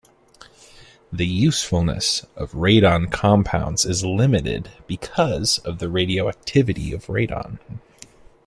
The usefulness of radon compounds is limited because of the radioactivity of radon.